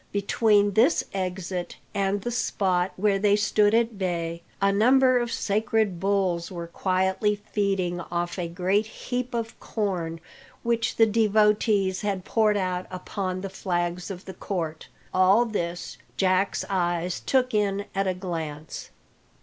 Between this exit and the spot where they stood at bay, a number of sacred bulls were quietly feeding off a great heap of corn which the devotees had poured out upon the flags of the court. All this Jack's eyes took in at a glance.